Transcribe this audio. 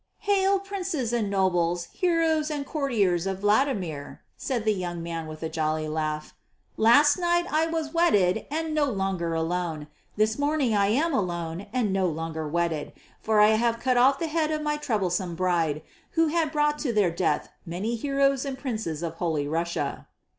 "Hail, princes and nobles, heroes and courtiers of Vladimir," said the young man with a jolly laugh. "Last night I was wedded and no longer alone. This morning I am alone and no longer wedded, for I have cut off the head of my troublesome bride, who had brought to their death many heroes and princes of Holy Russia."